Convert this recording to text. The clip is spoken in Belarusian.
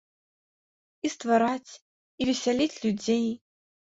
І ствараць, і весяліць людзей.